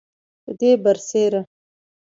پدې برسیره